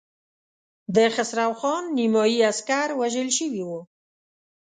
د خسرو خان نيمايي عسکر وژل شوي وو.